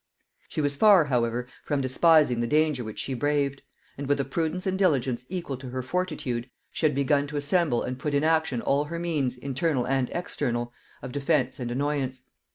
She was far, however, from despising the danger which she braved; and with a prudence and diligence equal to her fortitude, she had begun to assemble and put in action all her means, internal and external, of defence and annoyance.